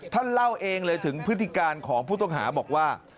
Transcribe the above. ท่านเล่าเองเลยถึงพฤติการของผู้ต้องหาบอกว่า